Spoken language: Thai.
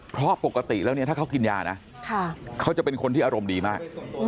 เพราะปกติแล้วเนี่ยถ้าเขากินยานะเขาจะเป็นคนที่อารมณ์ดีมาก